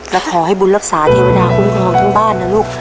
และขอให้บุญรักษาเทวดาคุ้มครองทั้งบ้านนะลูก